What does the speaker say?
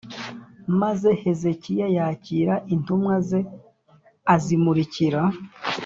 Maze Hezekiya yakira intumwa ze azimurikira